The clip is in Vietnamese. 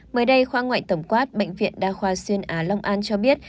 mới đây khoa ngoại tổng quát bệnh viện đa khoa xuyên á long an cho biết